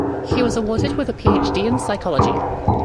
He was awarded with PhD in Psychology.